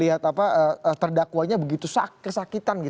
apa terdakwanya begitu kesakitan gitu